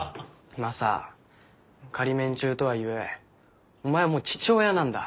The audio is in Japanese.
マサ仮免中とはいえお前もう父親なんだ。